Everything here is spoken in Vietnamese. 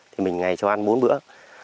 thì mình ngày cho ăn bốn bữa